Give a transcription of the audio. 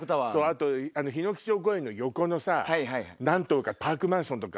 あと檜町公園の横のさ何棟かパークマンションとか。